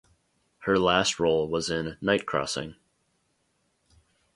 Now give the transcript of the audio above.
Her last role was in "Night Crossing".